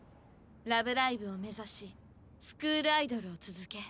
ラブライブを目指しスクールアイドルを続け。